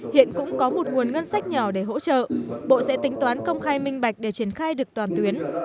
hiện cũng có một nguồn ngân sách nhỏ để hỗ trợ bộ sẽ tính toán công khai minh bạch để triển khai được toàn tuyến